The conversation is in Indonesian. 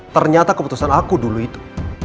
ternyata keputusan aku dulu itu